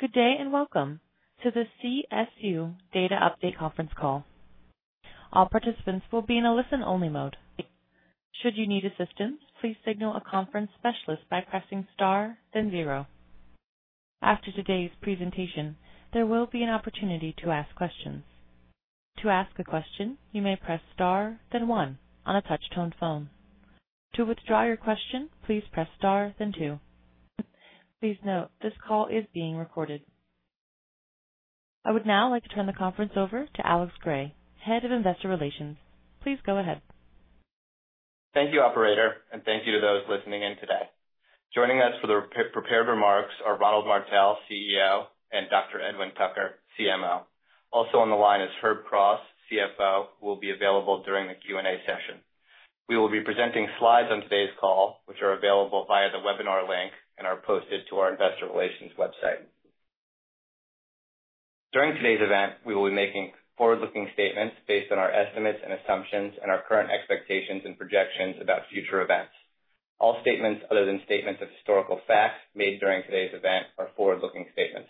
Good day and welcome to the CSU Data Update Webinar. All participants will be in a listen-only mode. Should you need assistance, please signal a conference specialist by pressing star, then zero. After today's presentation, there will be an opportunity to ask questions. To ask a question, you may press star, then one on a touch-toned phone. To withdraw your question, please press star, then two. Please note, this call is being recorded. I would now like to turn the conference over to Alex Gray, Head of Investor Relations. Please go ahead. Thank you, operator, and thank you to those listening in today. Joining us for the prepared remarks are Ronald Martell, CEO, and Dr. Edwin Tucker, CMO. Also on the line is Herb Cross, CFO, who will be available during the Q&A session. We will be presenting slides on today's call, which are available via the webinar link and are posted to our Investor Relations website. During today's event, we will be making forward-looking statements based on our estimates and assumptions and our current expectations and projections about future events. All statements other than statements of historical facts made during today's event are forward-looking statements.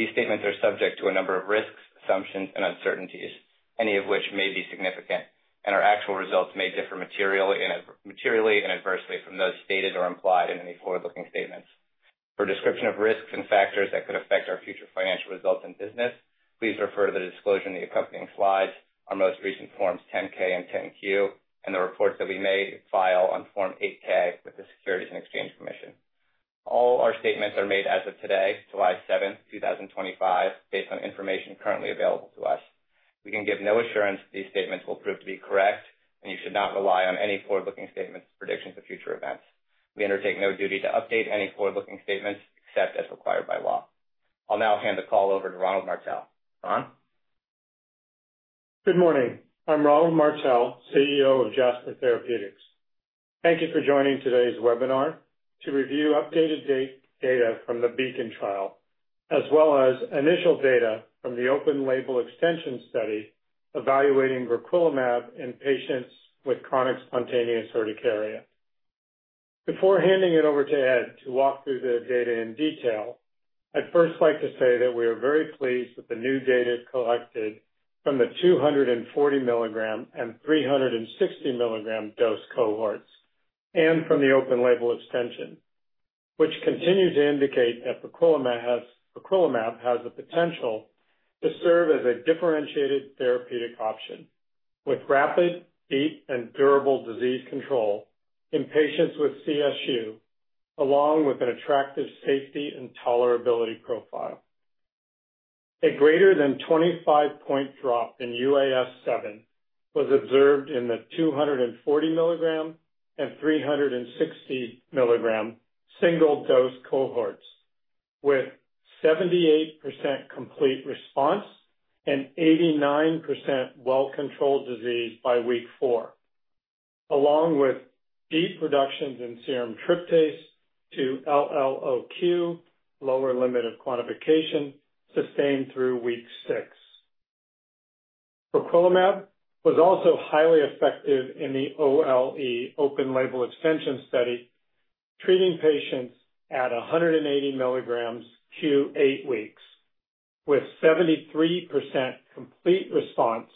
These statements are subject to a number of risks, assumptions, and uncertainties, any of which may be significant, and our actual results may differ materially and adversely from those stated or implied in any forward-looking statements. For a description of risks and factors that could affect our future financial results and business, please refer to the disclosure in the accompanying slides, our most recent Forms 10-K and 10-Q, and the reports that we may file on Form 8-K with the Securities and Exchange Commission. All our statements are made as of today, July 7, 2025, based on information currently available to us. We can give no assurance that these statements will prove to be correct, and you should not rely on any forward-looking statements as predictions of future events. We undertake no duty to update any forward-looking statements except as required by law. I'll now hand the call over to Ronald Martell. Ron? Good morning. I'm Ronald Martell, CEO of Jasper Therapeutics. Thank you for joining today's webinar to review updated data from the Beacon trial, as well as initial data from the open-label extension study evaluating Briquilimab in patients with chronic spontaneous urticaria. Before handing it over to Ed to walk through the data in detail, I'd first like to say that we are very pleased with the new data collected from the 240-mg and 360-mg dose cohorts and from the open-label extension, which continue to indicate that Briquilimab has the potential to serve as a differentiated therapeutic option with rapid, deep, and durable disease control in patients with CSU, along with an attractive safety and tolerability profile. A greater than 25-point drop in UAS-7 was observed in the 240-mg and 360-mg single-dose cohorts, with 78% complete response and 89% well-controlled disease by week four, along with deep reductions in serum tryptase to LLOQ, lower limit of quantification, sustained through week six. Briquilimab was also highly effective in the OLE, open-label extension study, treating patients at 180 mg q.8 weeks, with 73% complete response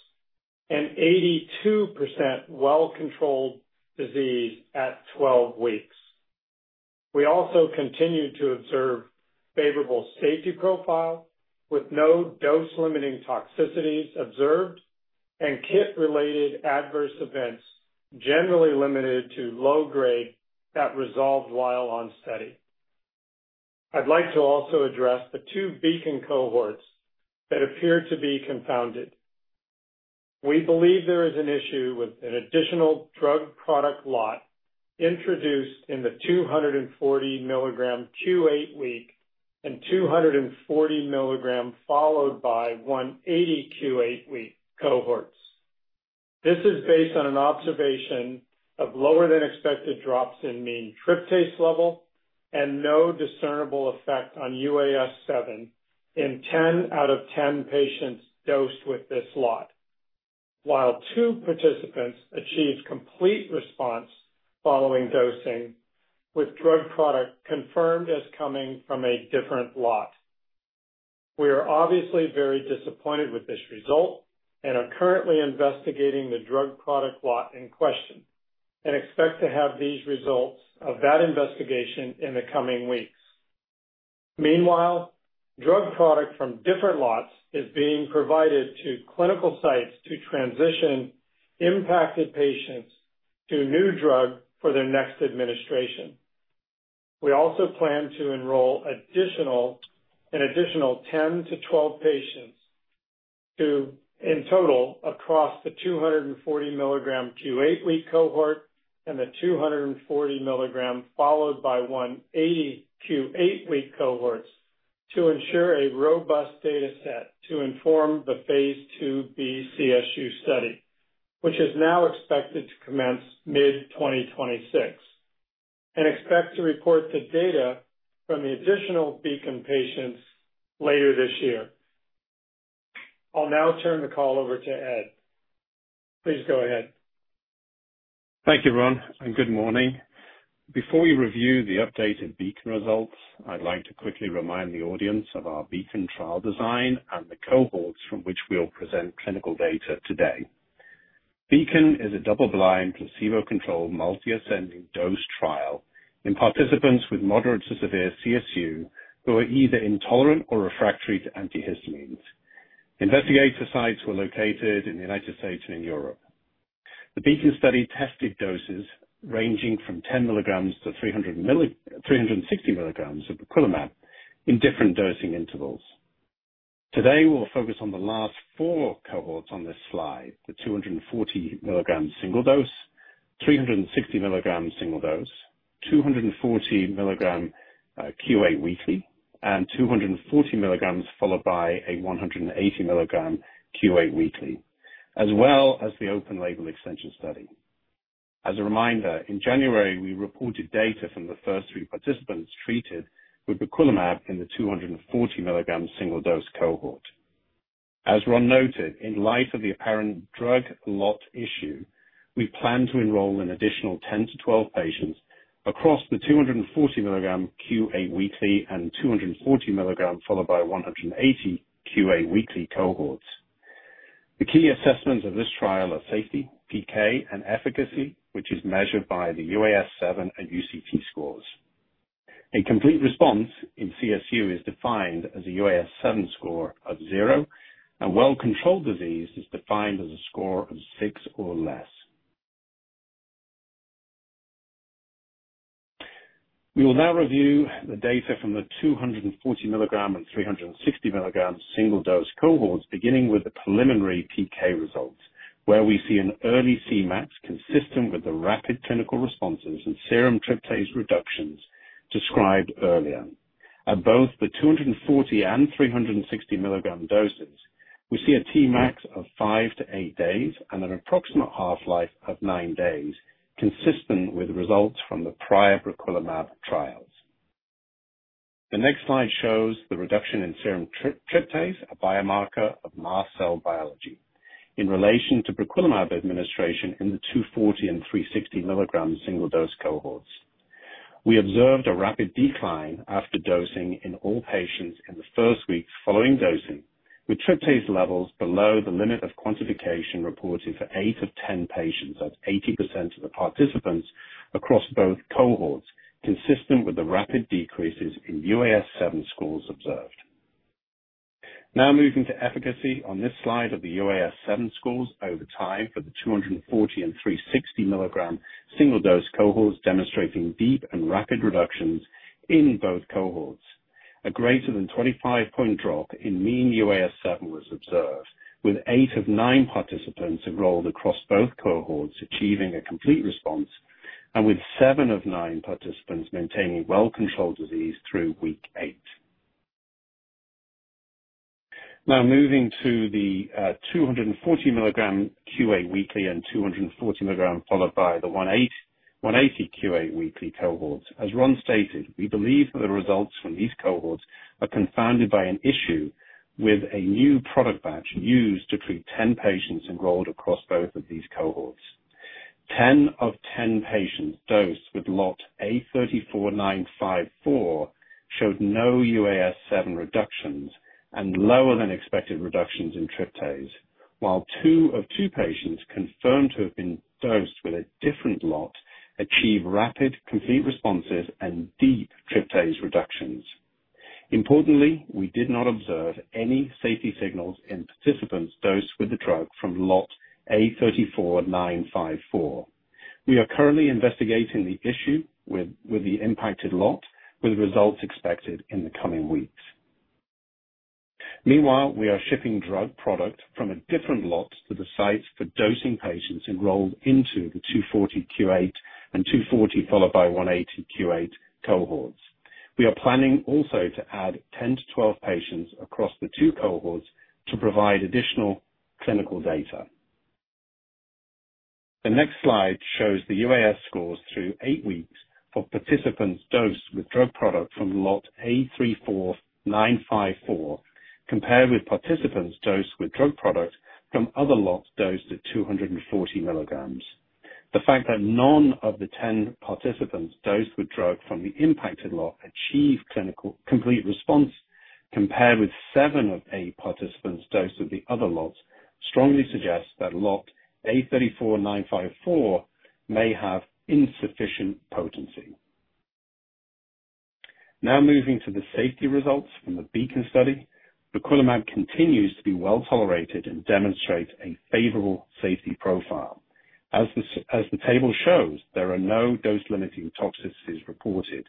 and 82% well-controlled disease at 12 weeks. We also continued to observe favorable safety profile with no dose-limiting toxicities observed and kit-related adverse events generally limited to low grade that resolved while on study. I'd like to also address the two Beacon cohorts that appear to be confounded. We believe there is an issue with an additional drug product lot introduced in the 240-mg q.8 week and 240-mg followed by 180 q.8 week cohorts. This is based on an observation of lower than expected drops in mean tryptase level and no discernible effect on UAS-7 in 10 out of 10 patients dosed with this lot, while two participants achieved complete response following dosing with drug product confirmed as coming from a different lot. We are obviously very disappointed with this result and are currently investigating the drug product lot in question and expect to have these results of that investigation in the coming weeks. Meanwhile, drug product from different lots is being provided to clinical sites to transition impacted patients to a new drug for their next administration. We also plan to enroll an additional 10 to 12 patients in total across the 240-mg q.8 week cohort and the 240-mg followed by 180 q.8 week cohorts to ensure a robust data set to inform the phase 2B CSU study, which is now expected to commence mid-2026 and expect to report the data from the additional Beacon patients later this year. I'll now turn the call over to Ed. Please go ahead. Thank you, Ron, and good morning. Before we review the updated Beacon results, I'd like to quickly remind the audience of our Beacon trial design and the cohorts from which we'll present clinical data today. Beacon is a double-blind, placebo-controlled, multi-dose trial in participants with moderate to severe CSU who are either intolerant or refractory to antihistamines. Investigator sites were located in the United States and in Europe. The Beacon study tested doses ranging from 10 mg to 360 mg of Briquilimab in different dosing intervals. Today, we'll focus on the last four cohorts on this slide: the 240-mg single dose, 360-mg single dose, 240-mg q.8 weekly, and 240 mg followed by a 180-mg q.8 weekly, as well as the open-label extension study. As a reminder, in January, we reported data from the first three participants treated with Briquilimab in the 240-mg single dose cohort. As Ron noted, in light of the apparent drug lot issue, we plan to enroll an additional 10 to 12 patients across the 240-mg q.8 weekly and 240-mg followed by 180 q.8 weekly cohorts. The key assessments of this trial are safety, PK, and efficacy, which is measured by the UAS-7 and UCT scores. A complete response in CSU is defined as a UAS-7 score of zero, and well-controlled disease is defined as a score of six or less. We will now review the data from the 240-mg and 360-mg single dose cohorts, beginning with the preliminary PK results, where we see an early Cmax consistent with the rapid clinical responses and serum tryptase reductions described earlier. At both the 240 and 360-mg doses, we see a Tmax of five to eight days and an approximate half-life of nine days, consistent with results from the prior Briquilimab trials. The next slide shows the reduction in serum tryptase, a biomarker of mast cell biology, in relation to Briquilimab administration in the 240 and 360-mg single dose cohorts. We observed a rapid decline after dosing in all patients in the first week following dosing, with tryptase levels below the limit of quantification reported for 8 of 10 patients at 80% of the participants across both cohorts, consistent with the rapid decreases in UAS-7 scores observed. Now moving to efficacy, on this slide are the UAS-7 scores over time for the 240 and 360-mg single dose cohorts, demonstrating deep and rapid reductions in both cohorts. A greater than 25-point drop in mean UAS-7 was observed, with 8 of 9 participants enrolled across both cohorts achieving a complete response and with 7 of 9 participants maintaining well-controlled disease through week eight. Now moving to the 240-mg q.8 weekly and 240-mg followed by the 180 q.8 weekly cohorts. As Ron stated, we believe that the results from these cohorts are confounded by an issue with a new product batch used to treat 10 patients enrolled across both of these cohorts. 10 of 10 patients dosed with lot A34954 showed no UAS-7 reductions and lower than expected reductions in tryptase, while 2 of 2 patients confirmed to have been dosed with a different lot achieved rapid complete responses and deep tryptase reductions. Importantly, we did not observe any safety signals in participants dosed with the drug from lot A34954. We are currently investigating the issue with the impacted lot, with results expected in the coming weeks. Meanwhile, we are shipping drug product from a different lot to the sites for dosing patients enrolled into the 240 q.8 and 240 followed by 180 q.8 cohorts. We are planning also to add 10 to 12 patients across the two cohorts to provide additional clinical data. The next slide shows the UAS scores through eight weeks of participants dosed with drug product from lot A34954 compared with participants dosed with drug product from other lots dosed at 240 mg. The fact that none of the 10 participants dosed with drug from the impacted lot achieved clinical complete response compared with 7 of 8 participants dosed with the other lots strongly suggests that lot A34954 may have insufficient potency. Now moving to the safety results from the Beacon trial, Briquilimab continues to be well tolerated and demonstrates a favorable safety profile. As the table shows, there are no dose-limiting toxicities reported.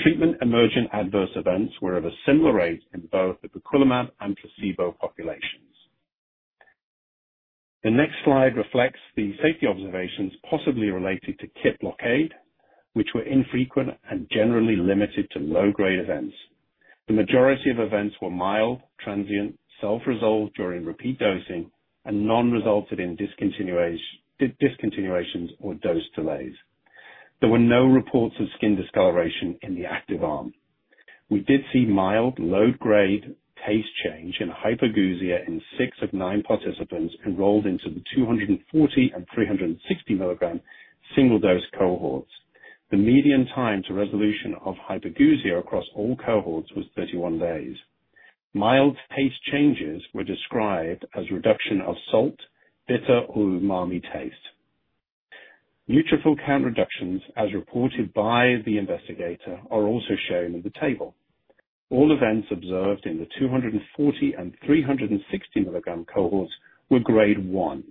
Treatment emergent adverse events were of a similar rate in both the Briquilimab and placebo populations. The next slide reflects the safety observations possibly related to kit blockade, which were infrequent and generally limited to low-grade events. The majority of events were mild, transient, self-resolved during repeat dosing and non-resulted in discontinuations or dose delays. There were no reports of skin discoloration in the active arm. We did see mild low-grade taste change in hypergousia in 6 of 9 participants enrolled into the 240 and 360-mg single dose cohorts. The median time to resolution of hypergeusia across all cohorts was 31 days. Mild taste changes were described as a reduction of salt, bitter, or umami taste. Neutrophil count reductions, as reported by the investigator, are also shown in the table. All events observed in the 240 and 360 mg cohorts were grade one,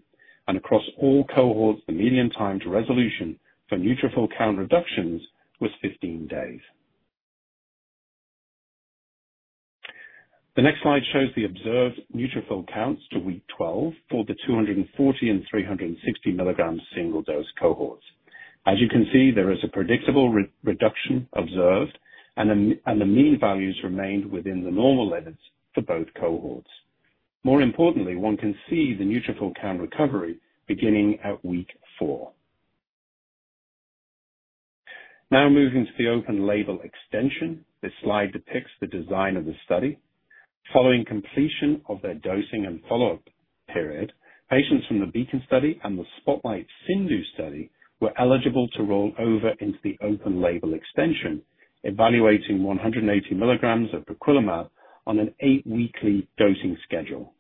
and across all cohorts, the median time to resolution for neutrophil count reductions was 15 days. The next slide shows the observed neutrophil counts to week 12 for the 240 and 360 mg single dose cohorts. As you can see, there is a predictable reduction observed, and the mean values remained within the normal limits for both cohorts. More importantly, one can see the neutrophil count recovery beginning at week four. Now moving to the open-label extension, this slide depicts the design of the study. Following completion of their dosing and follow-up period, patients from the Beacon trial and the SPOTLIGHT Study were eligible to roll over into the open-label extension, evaluating 180 mg of Briquilimab on an eight-weekly dosing schedule.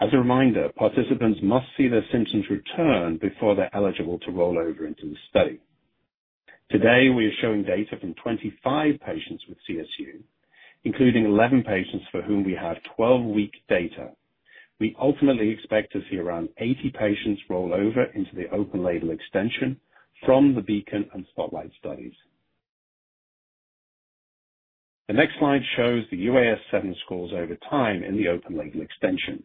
As a reminder, participants must see their symptoms return before they're eligible to roll over into the study. Today, we are showing data from 25 patients with chronic spontaneous urticaria (CSU), including 11 patients for whom we have 12-week data. We ultimately expect to see around 80 patients roll over into the open-label extension from the Beacon and SPOTLIGHT studies. The next slide shows the UAS-7 scores over time in the open-label extension.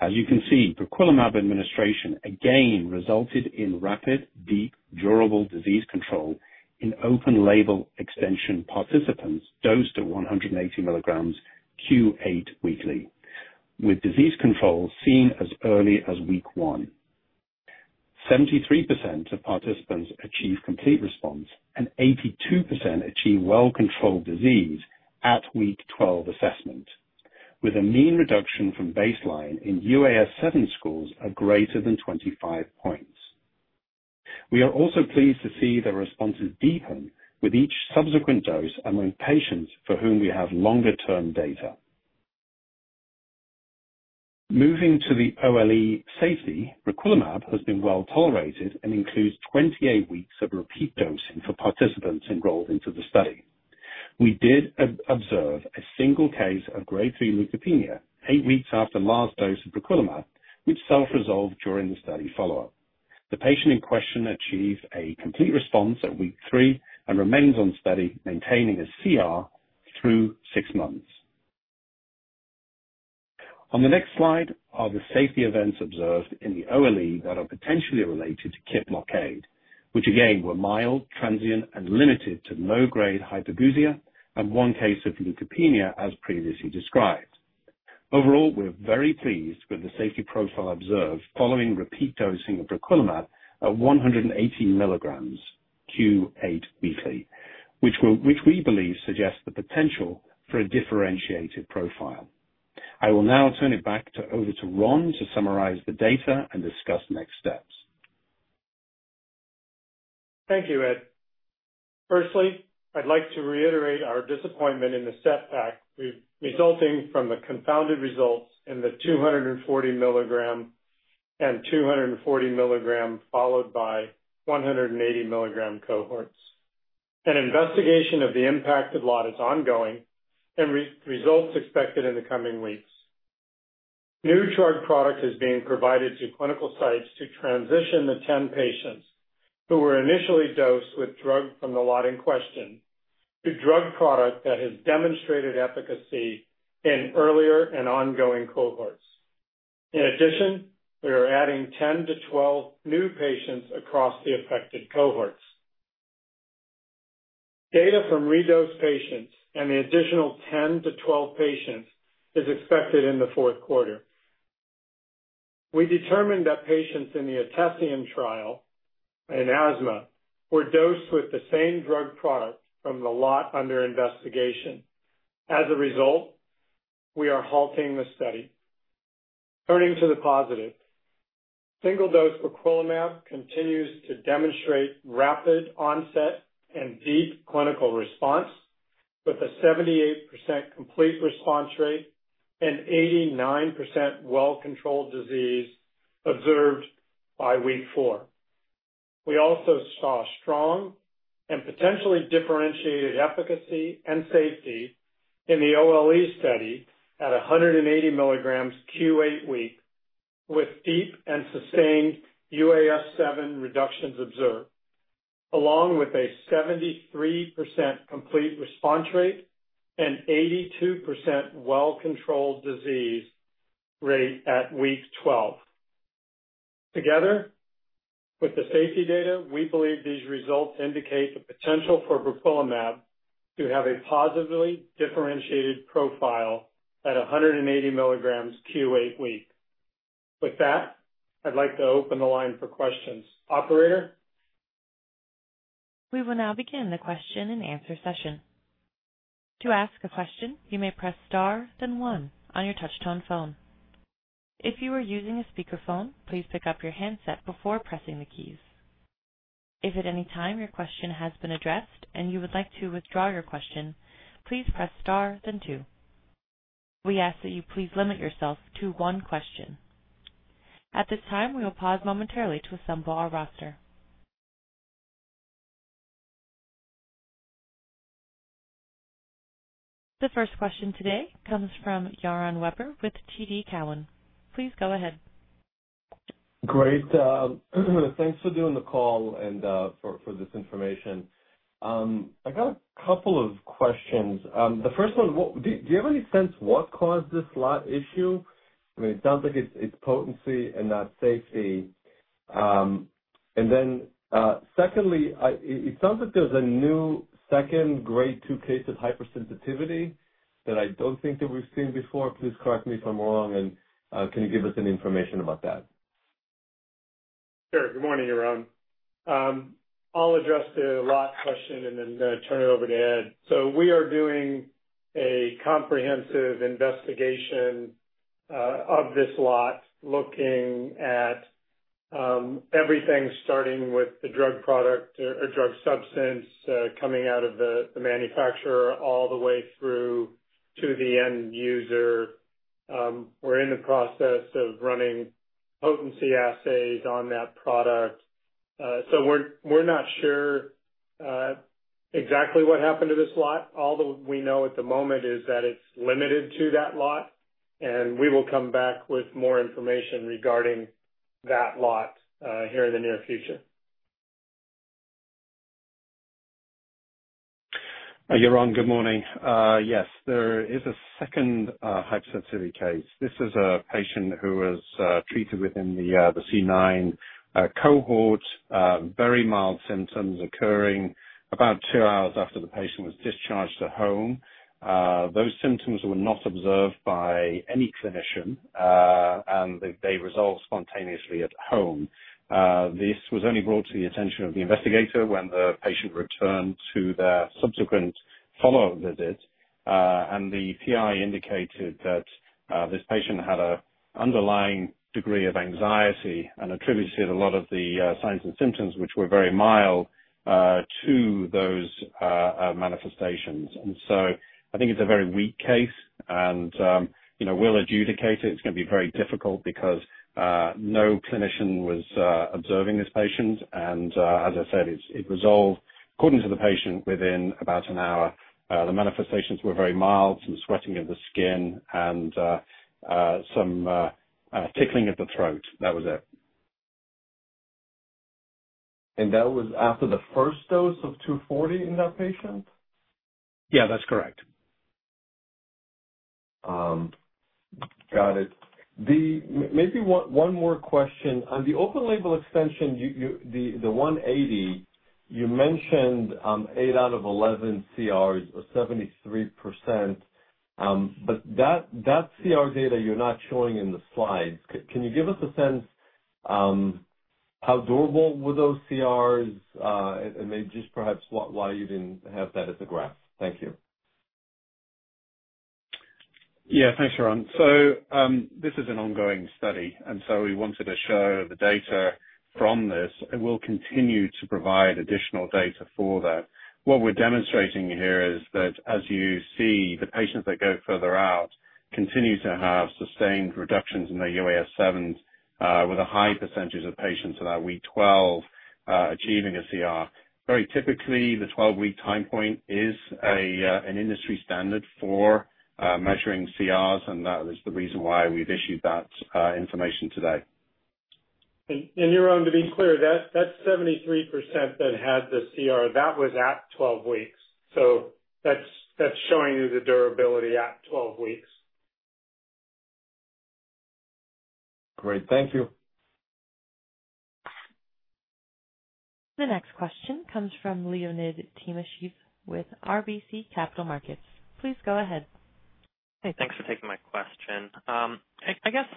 As you can see, Briquilimab administration again resulted in rapid, deep, durable disease control in open-label extension participants dosed at 180 mg q.8 weekly, with disease control seen as early as week one. 73% of participants achieved complete response, and 82% achieved well-controlled disease at week 12 assessment, with a mean reduction from baseline in UAS-7 scores of greater than 25 points. We are also pleased to see the responses deepen with each subsequent dose and with patients for whom we have longer-term data. Moving to the OLE safety, Briquilimab has been well tolerated and includes 28 weeks of repeat dosing for participants enrolled into the study. We did observe a single case of grade three leukopenia eight weeks after the last dose of Briquilimab, which self-resolved during the study follow-up. The patient in question achieved a complete response at week three and remains on study, maintaining a CR through six months. On the next slide are the safety events observed in the OLE that are potentially related to kit blockade, which again were mild, transient, and limited to low-grade hypergeusia and one case of leukopenia as previously described. Overall, we're very pleased with the safety profile observed following repeat dosing of Briquilimab at 180 mg q.8 weekly, which we believe suggests the potential for a differentiated profile. I will now turn it back over to Ron to summarize the data and discuss next steps. Thank you, Ed. Firstly, I'd like to reiterate our disappointment in the setback resulting from the confounded results in the 240-mg and 240-mg followed by 180-mg cohorts. An investigation of the impacted lot is ongoing, and results are expected in the coming weeks. New drug product is being provided to clinical sites to transition the 10 patients who were initially dosed with drug from the lot in question to drug product that has demonstrated efficacy in earlier and ongoing cohorts. In addition, we are adding 10 to 12 new patients across the affected cohorts. Data from re-dose patients and the additional 10 to 12 patients is expected in the fourth quarter. We determined that patients in the Atessian trial in asthma were dosed with the same drug product from the lot under investigation. As a result, we are halting the study. Turning to the positives, single-dose Briquilimab continues to demonstrate rapid onset and deep clinical response with a 78% complete response rate and 89% well-controlled disease observed by week four. We also saw strong and potentially differentiated efficacy and safety in the OLE study at 180 mg q.8 week with deep and sustained UAS-7 reductions observed, along with a 73% complete response rate and 82% well-controlled disease rate at week 12. Together with the safety data, we believe these results indicate the potential for Briquilimab to have a positively differentiated profile at 180 mg q.8 week. With that, I'd like to open the line for questions. Operator? We will now begin the question and answer session. To ask a question, you may press star, then one on your touch-tone phone. If you are using a speakerphone, please pick up your handset before pressing the keys. If at any time your question has been addressed and you would like to withdraw your question, please press star, then two. We ask that you please limit yourself to one question. At this time, we will pause momentarily to assemble our roster. The first question today comes from Yaron Werber with TD Cowen. Please go ahead. Great. Thanks for doing the call and for this information. I got a couple of questions. The first one, do you have any sense what caused this lot issue? I mean, it sounds like it's potency and not safety. It sounds like there's a new second grade two case of hypersensitivity that I don't think that we've seen before. Please correct me if I'm wrong. Can you give us any information about that? Sure. Good morning, Yaron. I'll address the lot question and then turn it over to Ed. We are doing a comprehensive investigation of this lot, looking at everything starting with the drug product or drug substance coming out of the manufacturer all the way through to the end user. We're in the process of running potency assays on that product. We're not sure exactly what happened to this lot. All that we know at the moment is that it's limited to that lot. We will come back with more information regarding that lot here in the near future. Yaron, good morning. Yes, there is a second hypersensitivity case. This is a patient who was treated within the C9 cohort, very mild symptoms occurring about two hours after the patient was discharged to home. Those symptoms were not observed by any clinician, and they resolved spontaneously at home. This was only brought to the attention of the investigator when the patient returned to their subsequent follow-up visit. The TI indicated that this patient had an underlying degree of anxiety and attributed a lot of the signs and symptoms, which were very mild, to those manifestations. I think it's a very weak case. We'll adjudicate it. It's going to be very difficult because no clinician was observing this patient. As I said, it resolved, according to the patient, within about an hour. The manifestations were very mild, some sweating of the skin and some tickling of the throat. That was it. That was after the first dose of 240 in that patient? Yeah, that's correct. Got it. Maybe one more question. On the open-label extension, the 180, you mentioned 8 out of 11 CRs or 73%. That CR data you're not showing in the slides, can you give us a sense how durable were those CRs? Maybe just perhaps why you didn't have that as a graph. Thank you. Yeah, thanks, Yaron. This is an ongoing study. We wanted to show the data from this, and we'll continue to provide additional data for that. What we're demonstrating here is that, as you see, the patients that go further out continue to have sustained reductions in their UAS-7s, with a high percentage of patients at about week 12 achieving a CR. Very typically, the 12-week time point is an industry standard for measuring CRs. That is the reason why we've issued that information today. Yaron, to be clear, that 73% that had the CR, that was at 12 weeks. That's showing you the durability at 12 weeks. Great. Thank you. The next question comes from Leonid Timoshiev with RBC Capital Markets. Please go ahead. Hey, thanks for taking my question. I guess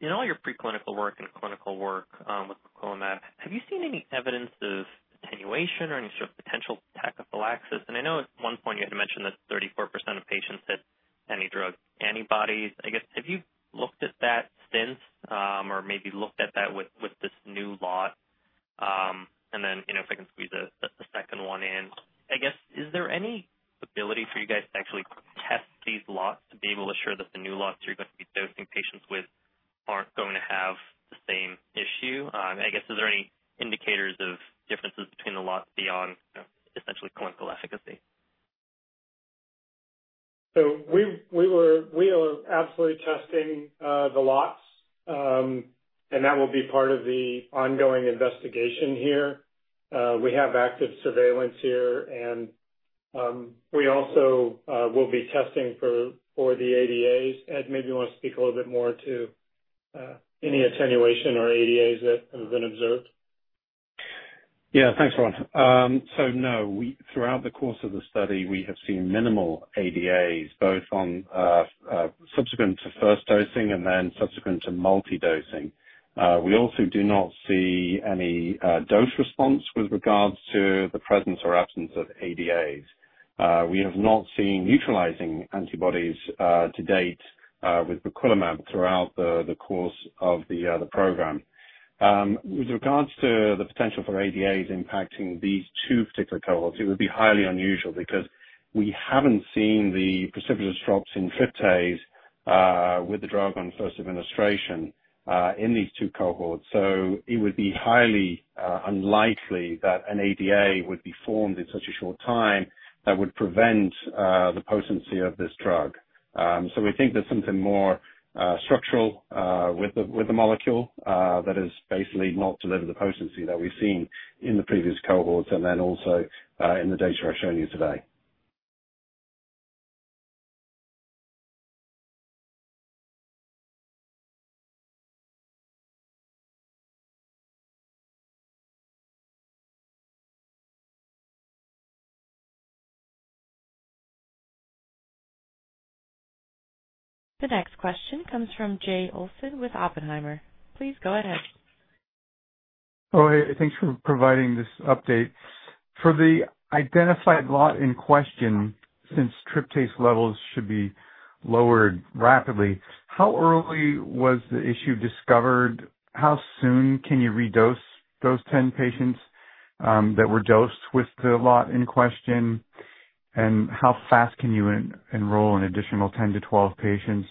in all your preclinical work and clinical work with Briquilimab, have you seen any evidence of attenuation or any sort of potential tachyphylaxis? I know at one point you had mentioned that 34% of patients had antidrug antibodies. I guess, have you looked at that since or maybe looked at that with this new lot? If I can squeeze a second one in, I guess, is there any ability for you guys to actually test these lots to be able to assure that the new lots you're going to be dosing patients with are not going to have the same issue? I guess, is there any indicators of differences between the lots beyond essentially clinical efficacy? We are absolutely testing the lots, and that will be part of the ongoing investigation here. We have active surveillance here, and we also will be testing for the antidrug antibodies. Ed, maybe you want to speak a little bit more to any attenuation or antidrug antibodies that have been observed? Yeah, thanks, Ron. No, throughout the course of the study, we have seen minimal antidrug antibodies, both subsequent to first dosing and then subsequent to multi-dosing. We also do not see any dose response with regards to the presence or absence of antidrug antibodies. We have not seen neutralizing antibodies to date with Briquilimab throughout the course of the program. With regards to the potential for antidrug antibodies impacting these two particular cohorts, it would be highly unusual because we haven't seen the precipitous drops in serum tryptase with the drug on first administration in these two cohorts. It would be highly unlikely that an antidrug antibody would be formed in such a short time that would prevent the potency of this drug. We think there's something more structural with the molecule that has basically not delivered the potency that we've seen in the previous cohorts and also in the data I've shown you today. The next question comes from Jay Olson with Oppenheimer. Please go ahead. Oh, hey, thanks for providing this update. For the identified lot in question, since tryptase levels should be lowered rapidly, how early was the issue discovered? How soon can you re-dose those 10 patients that were dosed with the lot in question? How fast can you enroll an additional 10 to 12 patients?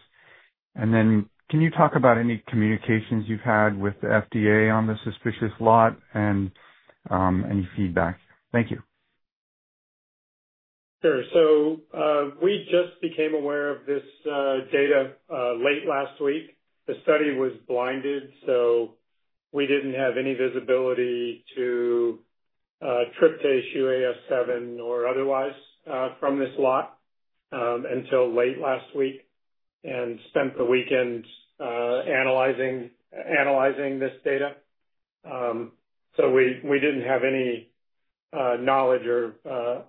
Can you talk about any communications you've had with the FDA on the suspicious lot and any feedback? Thank you. Sure. We just became aware of this data late last week. The study was blinded, so we didn't have any visibility to serum tryptase, UAS-7, or otherwise from this lot until late last week and spent the weekend analyzing this data. We didn't have any knowledge or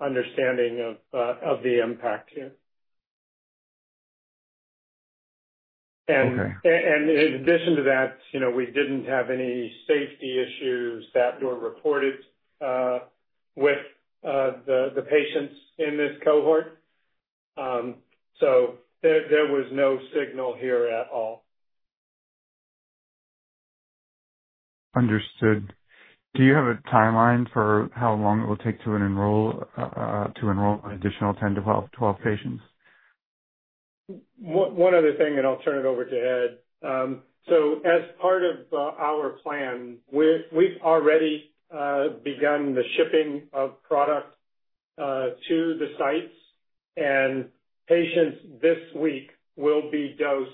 understanding of the impact here. In addition to that, we didn't have any safety issues that were reported with the patients in this cohort. There was no signal here at all. Understood. Do you have a timeline for how long it will take to enroll an additional 10 to 12 patients? One other thing, I'll turn it over to Ed. As part of our plan, we've already begun the shipping of product to the sites. Patients this week will be dosed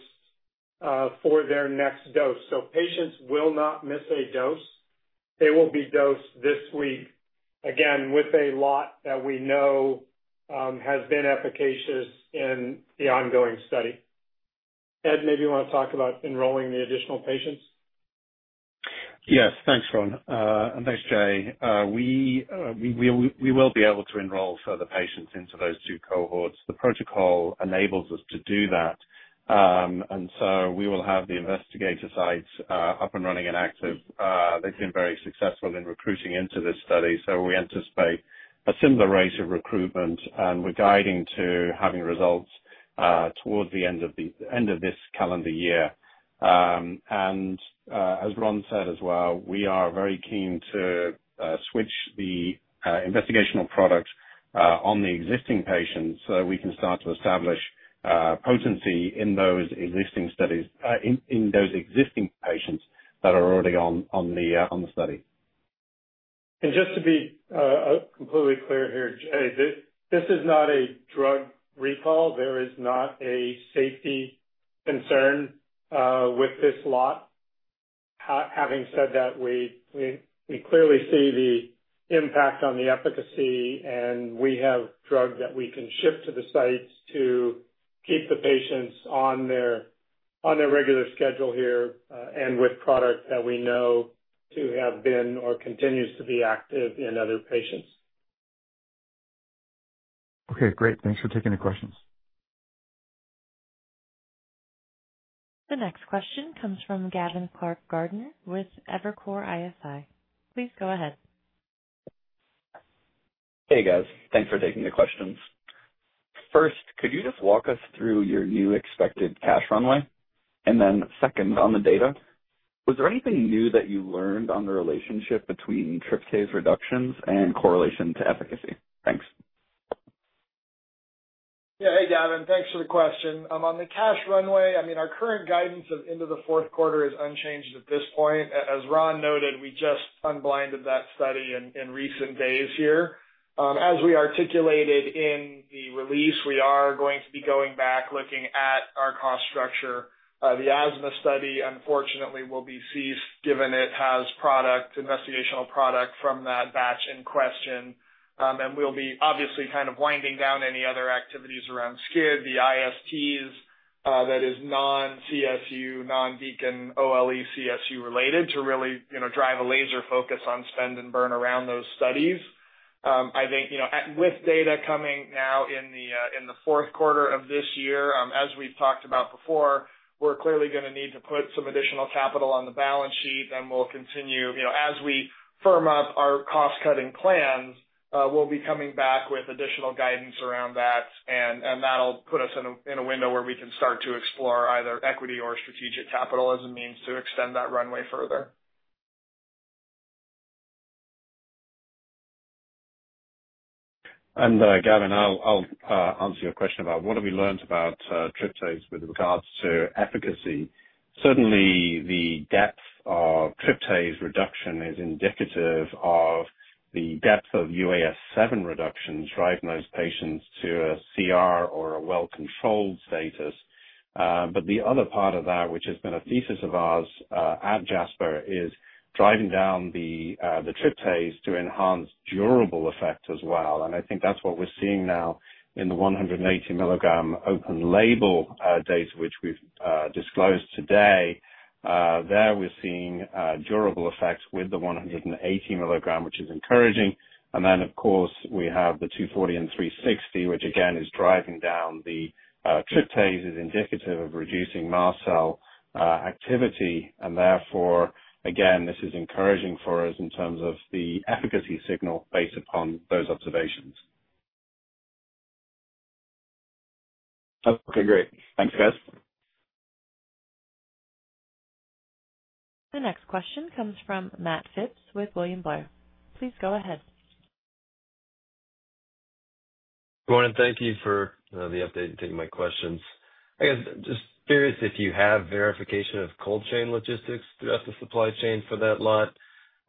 for their next dose. Patients will not miss a dose. They will be dosed this week again with a lot that we know has been efficacious in the ongoing study. Ed, maybe you want to talk about enrolling the additional patients? Yes, thanks, Ron, and thanks, Jay. We will be able to enroll further patients into those two cohorts. The protocol enables us to do that, and we will have the investigator sites up and running and active. They've been very successful in recruiting into this study. We anticipate a similar rate of recruitment, and we're guiding to having results towards the end of this calendar year. As Ron said as well, we are very keen to switch the investigational product on the existing patients so we can start to establish potency in those existing studies in those existing patients that are already on the study. To be completely clear here, Jay, this is not a drug recall. There is not a safety concern with this lot. Having said that, we clearly see the impact on the efficacy. We have drugs that we can ship to the sites to keep the patients on their regular schedule here with product that we know to have been or continues to be active in other patients. Okay, great. Thanks for taking the questions. The next question comes from Gavin Clark Gardner with Evercore ISI. Please go ahead. Hey, guys. Thanks for taking the questions. First, could you just walk us through your new expected cash runway? Second, on the data, was there anything new that you learned on the relationship between serum tryptase reductions and correlation to efficacy? Thanks. Yeah, hey, Gavin. Thanks for the question. On the cash runway, our current guidance of into the fourth quarter is unchanged at this point. As Ron noted, we just unblinded that study in recent days here. As we articulated in the release, we are going to be going back looking at our cost structure. The Atessian asthma study, unfortunately, will be ceased given it has investigational product from that batch in question. We'll be obviously kind of winding down any other activities around SCID, the ISTs that is non-CSU, non-Beacon, OLE, CSU related to really drive a laser focus on spend and burn around those studies. I think with data coming now in the fourth quarter of this year, as we've talked about before, we're clearly going to need to put some additional capital on the balance sheet. We'll continue, as we firm up our cost-cutting plans, we'll be coming back with additional guidance around that. That'll put us in a window where we can start to explore either equity or strategic capital as a means to extend that runway further. Gavin, I'll answer your question about what have we learned about tryptase with regards to efficacy. Certainly, the depth of tryptase reduction is indicative of the depth of UAS-7 reductions, driving those patients to a CR or a well-controlled status. The other part of that, which has been a thesis of ours at Jasper Therapeutics, is driving down the tryptase to enhance durable effects as well. I think that's what we're seeing now in the 180 mg open-label data, which we've disclosed today. There, we're seeing durable effects with the 180 mg, which is encouraging. Of course, we have the 240 and 360, which again is driving down the tryptase as indicative of reducing mast cell activity. Therefore, this is encouraging for us in terms of the efficacy signal based upon those observations. Okay, great. Thanks, guys. The next question comes from Matt Fitz with William Blair. Please go ahead. Good morning. Thank you for the update and taking my questions. I guess just curious if you have verification of cold chain logistics throughout the supply chain for that lot.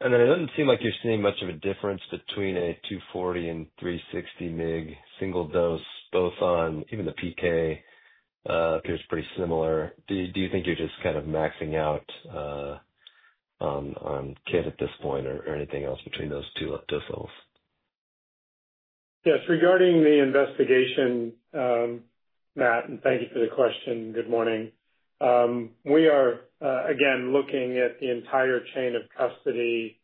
It doesn't seem like you're seeing much of a difference between a 240 and 360-mg single dose, both on even the PK appears pretty similar. Do you think you're just kind of maxing out on kit at this point or anything else between those two dose levels? Yes, regarding the investigation, Matt, and thank you for the question. Good morning. We are, again, looking at the entire chain of custody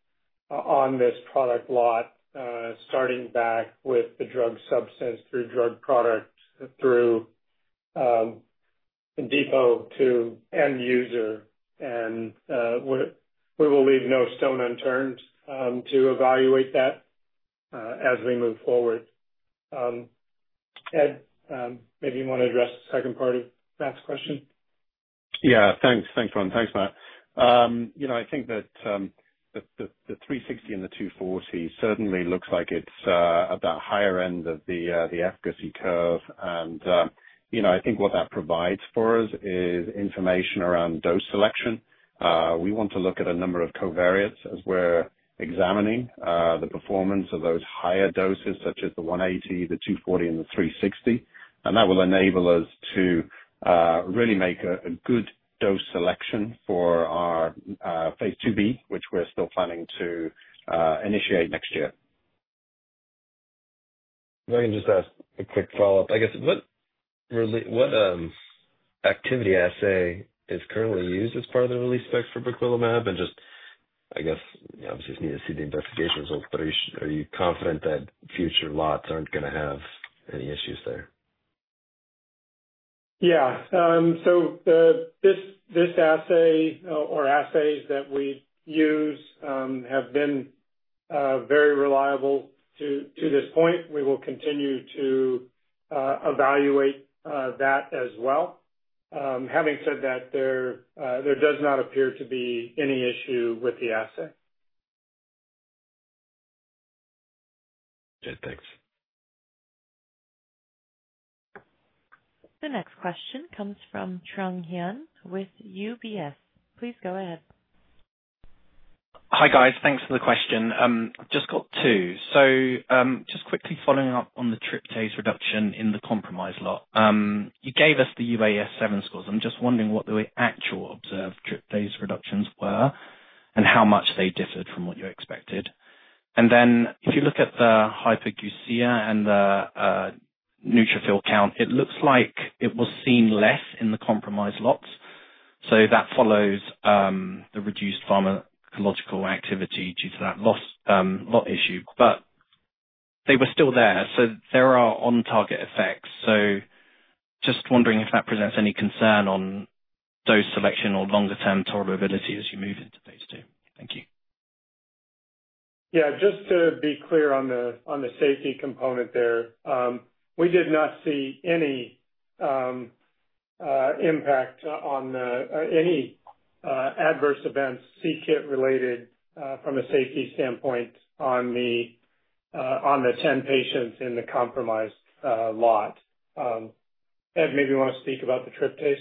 on this product lot, starting back with the drug substance through drug product through in depot to end user. We will leave no stone unturned to evaluate that as we move forward. Ed, maybe you want to address the second part of Matt's question? Yeah, thanks. Thanks, Ron. Thanks, Matt. I think that the 360 and the 240 certainly looks like it's about the higher end of the efficacy curve. I think what that provides for us is information around dose selection. We want to look at a number of covariates as we're examining the performance of those higher doses, such as the 180, the 240, and the 360. That will enable us to really make a good dose selection for our Phase 2B, which we're still planning to initiate next year. I can just ask a quick follow-up. I guess what activity assay is currently used as part of the release specs for Briquilimab? Obviously, we need to see the investigation results. Are you confident that future lots aren't going to have any issues there? This assay or assays that we use have been very reliable to this point. We will continue to evaluate that as well. Having said that, there does not appear to be any issue with the assay. Okay, thanks. The next question comes from Trung Hien with UBS. Please go ahead. Hi, guys. Thanks for the question. I've just got two. Just quickly following up on the tryptase reduction in the compromised lot. You gave us the UAS-7 scores. I'm just wondering what the actual observed tryptase reductions were and how much they differed from what you expected. If you look at the hypergeusia and the neutrophil count, it looks like it was seen less in the compromised lots. That follows the reduced pharmacological activity due to that lot issue. They were still there, so there are on-target effects. Just wondering if that presents any concern on dose selection or longer-term tolerability as you move into Phase 2. Thank you. Yeah, just to be clear on the safety component there, we did not see any impact on any adverse events, c-KIT-related, from a safety standpoint on the 10 patients in the compromised lot. Ed, maybe you want to speak about the tryptase?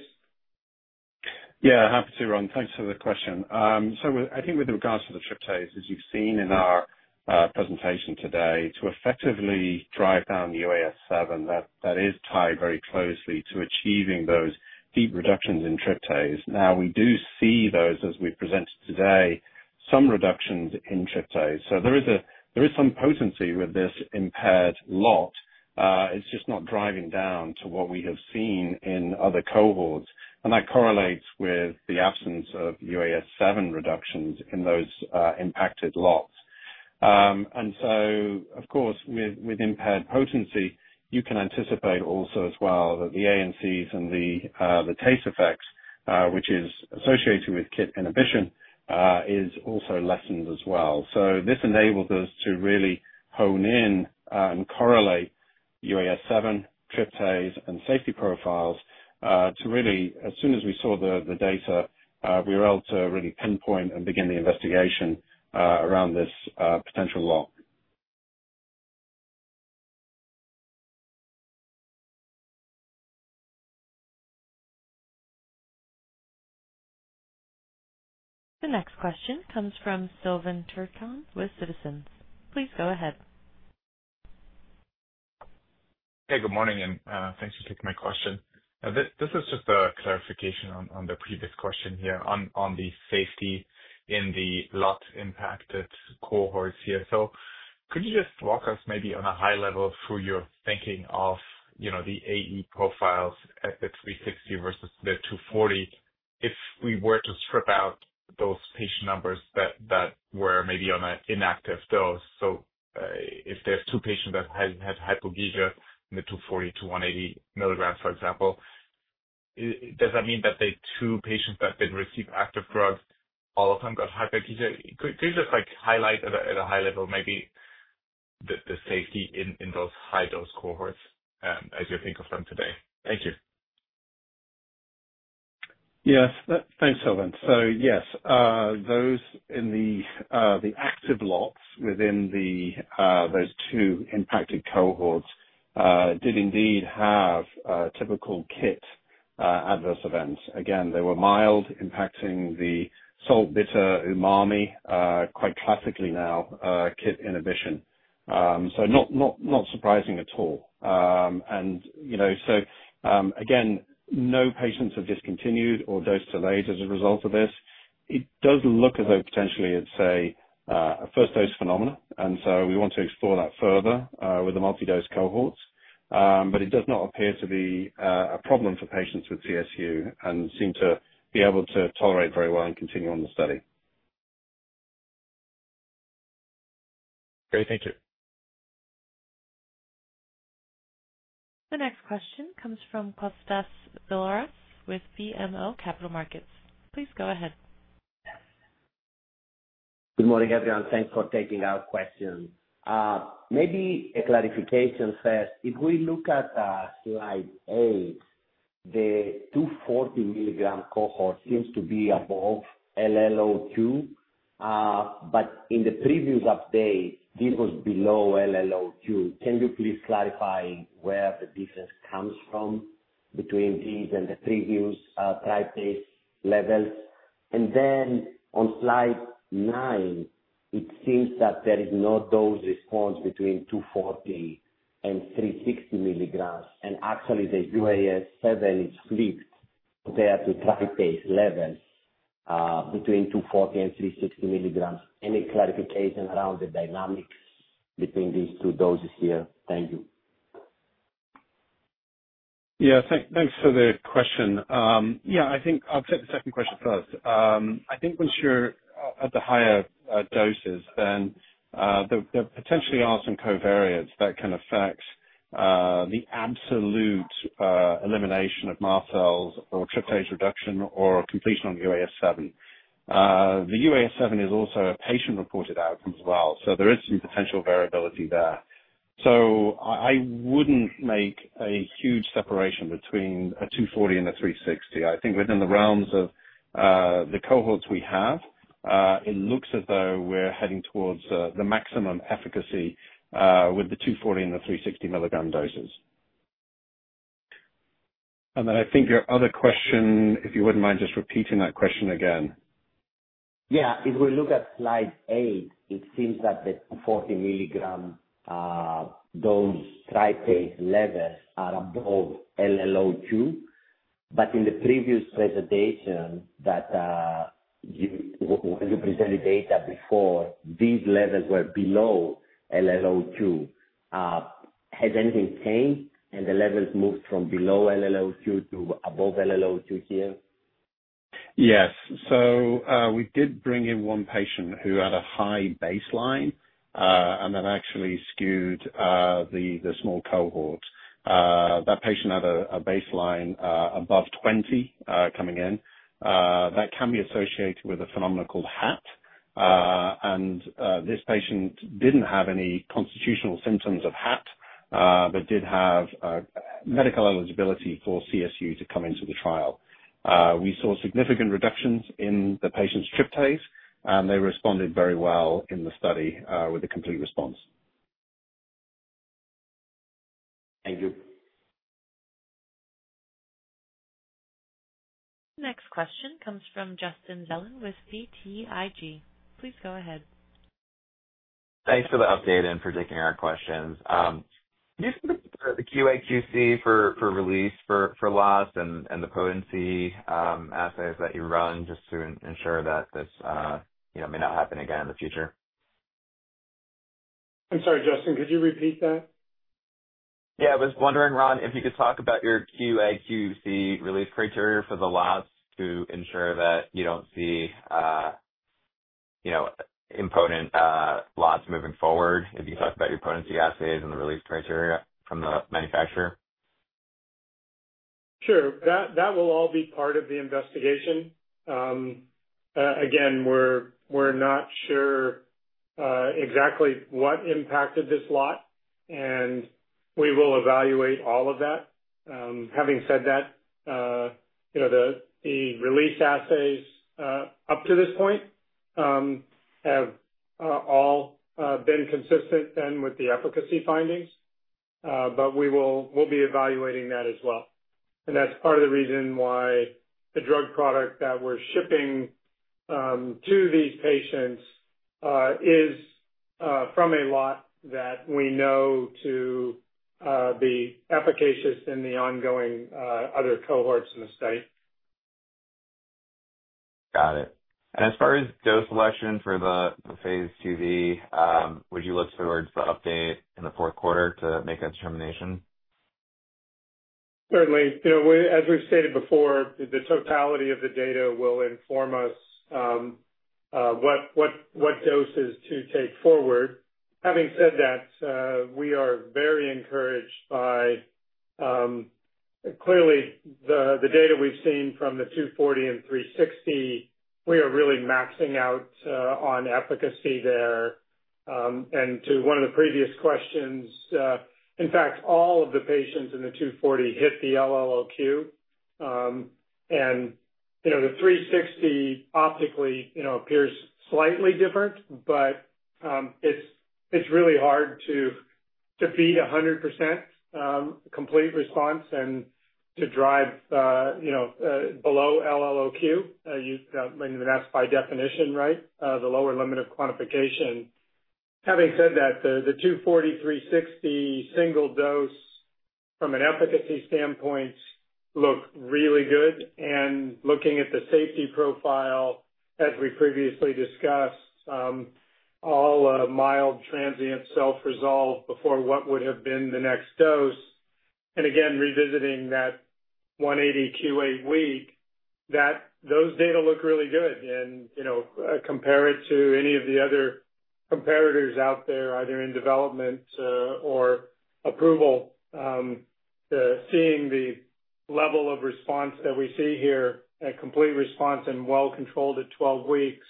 Yeah, happy to, Ron. Thanks for the question. I think with regards to the tryptase, as you've seen in our presentation today, to effectively drive down UAS-7, that is tied very closely to achieving those deep reductions in tryptase. We do see those, as we presented today, some reductions in tryptase. There is some potency with this impaired lot. It's just not driving down to what we have seen in other cohorts. That correlates with the absence of UAS-7 reductions in those impacted lots. Of course, with impaired potency, you can anticipate also as well that the ANCs and the taste effects, which is associated with kit inhibition, are also lessened as well. This enabled us to really hone in and correlate UAS-7, tryptase, and safety profiles to really, as soon as we saw the data, we were able to really pinpoint and begin the investigation around this potential lot. The next question comes from Sylvain Turton with Citizens. Please go ahead. Good morning. Thanks for taking my question. This is just a clarification on the previous question on the safety in the lot-impacted cohorts. Could you walk us at a high level through your thinking of the AE profiles at the 360 versus the 240? If we were to strip out those patient numbers that were maybe on an inactive dose, if there are two patients that hadn't had hypergeusia in the 240 mg to 180 mg, for example, does that mean that the two patients that didn't receive active drugs, all of them got hypergeusia? Could you highlight at a high level the safety in those high-dose cohorts as you think of them today? Thank you. Yes, thanks, Sylvain. Yes, those in the active lots within those two impacted cohorts did indeed have typical kit adverse events. They were mild, impacting the salt, bitter, umami, quite classically now kit inhibition. Not surprising at all. No patients are discontinued or dose delayed as a result of this. It does look as though potentially it's a first-dose phenomenon. We want to explore that further with the multi-dose cohorts. It does not appear to be a problem for patients with chronic spontaneous urticaria (CSU) and they seem to be able to tolerate very well and continue on the study. Great, thank you. The next question comes from Kostas Billouris with BMO Capital Markets. Please go ahead. Good morning, everyone. Thanks for taking our question. Maybe a clarification first. If we look at slide 8, the 240-mg cohort seems to be above LLO-2. In the previous update, this was below LLO-2. Can you please clarify where the difference comes from between this and the previous tryptase levels? On slide 9, it seems that there is no dose response between 240 mg and 360 mg. Actually, the UAS-7 is flipped compared to tryptase level between 240 and 360 mg. Any clarification around the dynamics between these two doses here? Thank you. Yeah, thanks for the question. I think I'll take the second question first. I think once you're at the higher doses, there potentially are some covariates that can affect the absolute elimination of mast cells or tryptase reduction or completion on UAS-7. The UAS-7 is also a patient-reported outcome as well. There is some potential variability there. I wouldn't make a huge separation between a 240 mg and a 360 mg. I think within the realms of the cohorts we have, it looks as though we're heading towards the maximum efficacy with the 240 mg and the 360 mg doses. I think your other question, if you wouldn't mind just repeating that question again. Yeah, if we look at slide 8, it seems that the 240-mg dose tryptase levels are above LLO-2. In the previous presentation that you presented data before, these levels were below LLO-2. Has anything changed and the levels moved from below LLO-2 to above LLO-2 here? Yes. We did bring in one patient who had a high baseline, and that actually skewed the small cohort. That patient had a baseline above 20 coming in. That can be associated with a phenomenon called HAT. This patient didn't have any constitutional symptoms of HAT but did have medical eligibility for CSU to come into the trial. We saw significant reductions in the patient's serum tryptase, and they responded very well in the study with a complete response. Thank you. Next question comes from Justin Zelen with BTIG. Please go ahead. Thanks for the update and for taking our questions. Do you think the QA/QC for release for lots and the potency assays that you run just to ensure that this may not happen again in the future? I'm sorry, could you repeat that? Yeah, I was wondering, Ron, if you could talk about your QA/QC release criteria for the lots to ensure that you don't see impotent lots moving forward. If you talk about your potency assays and the release criteria from the manufacturer. Sure. That will all be part of the investigation. Again, we're not sure exactly what impacted this lot, and we will evaluate all of that. Having said that, the lot release assays up to this point have all been consistent with the efficacy findings. We will be evaluating that as well. That is part of the reason why the drug product that we're shipping to these patients is from a lot that we know to be efficacious in the ongoing other cohorts in the study. Got it. As far as dose selection for the Phase 2B, would you look towards the update in the fourth quarter to make a determination? Certainly. As we've stated before, the totality of the data will inform us what doses to take forward. Having said that, we are very encouraged by clearly the data we've seen from the 240 and 360. We are really maxing out on efficacy there. To one of the previous questions, in fact, all of the patients in the 240 hit the LLO-Q. The 360 optically appears slightly different, but it's really hard to beat 100% complete response and to drive below LLO-Q. That's by definition, right, the lower limit of quantification. Having said that, the 240/360 single dose from an efficacy standpoint looked really good. Looking at the safety profile, as we previously discussed, all mild, transient, self-resolved before what would have been the next dose. Revisiting that 180 q.8 week, those data look really good. Compare it to any of the other competitors out there, either in development or approval. Seeing the level of response that we see here, a complete response and well-controlled at 12 weeks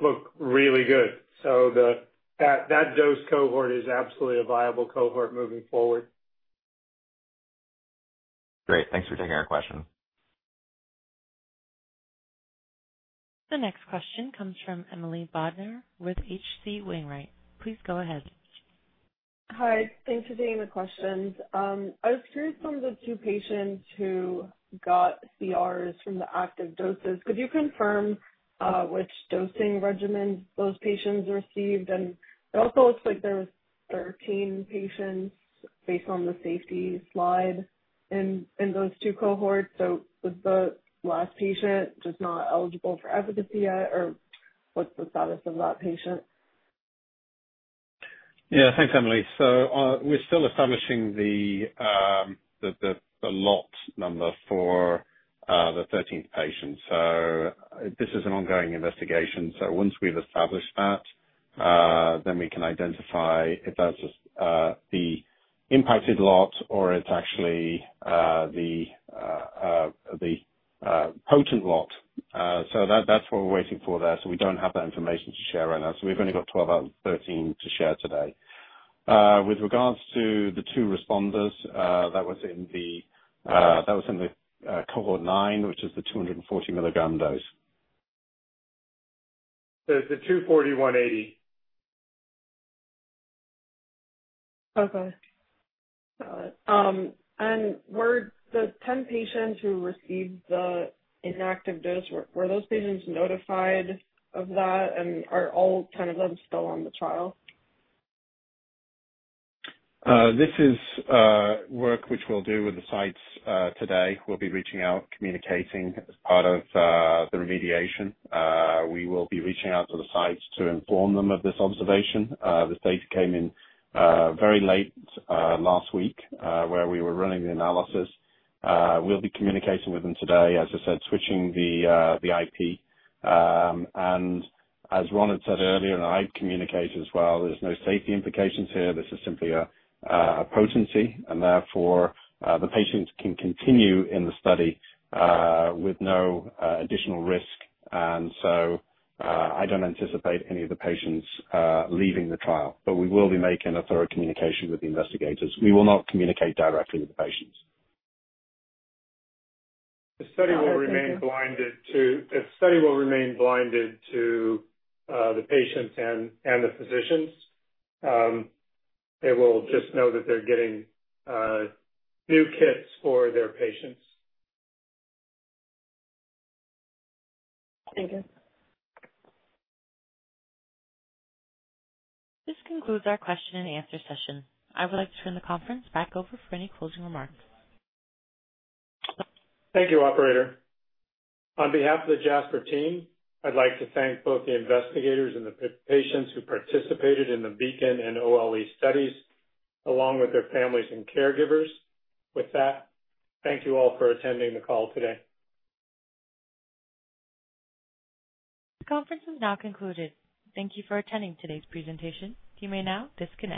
looked really good. That dose cohort is absolutely a viable cohort moving forward. Great. Thanks for taking our question. The next question comes from Emily Bodnar with HC Wainwright. Please go ahead. Hi. Thanks for taking the questions. I was curious from the two patients who got CRs from the active doses. Could you confirm which dosing regimen those patients received? It also looks like there were 13 patients based on the safety slide in those two cohorts. Is the last patient not eligible for efficacy yet, or what's the status of that patient? Yeah, thanks, Emily. We're still establishing the lot number for the 13th patient. This is an ongoing investigation. Once we've established that, we can identify if that's the impacted lot or it's actually the potent lot. That's what we're waiting for there. We don't have that information to share right now. We've only got 12 out of 13 to share today. With regards to the two responders, that was in cohort 9, which is the 240-mg dose. It is the 240/180. Okay. Got it. Were the 10 patients who received the inactive dose notified of that? Are all 10 of them still on the trial? This is work which we'll do with the sites today. We'll be reaching out, communicating as part of the remediation. We will be reaching out to the sites to inform them of this observation. This data came in very late last week where we were running the analysis. We'll be communicating with them today, as I said, switching the IP. As Ron had said earlier, and I communicated as well, there's no safety implications here. This is simply a potency. Therefore, the patients can continue in the study with no additional risk. I don't anticipate any of the patients leaving the trial. We will be making a thorough communication with the investigators. We will not communicate directly with the patients. The study will remain blinded to the patients and the physicians. They will just know that they're getting new kits for their patients. This concludes our question-and answer session. I would like to turn the conference back over for any closing remarks. Thank you, Operator. On behalf of the Jasper team, I'd like to thank both the investigators and the patients who participated in the Beacon and OLE studies, along with their families and caregivers. With that, thank you all for attending the call today. The conference is now concluded. Thank you for attending today's presentation. You may now discontinue.